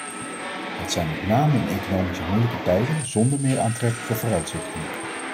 Dat zijn met name in economisch moeilijke tijden zonder meer aantrekkelijke vooruitzichten.